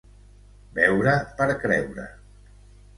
Veure per creure.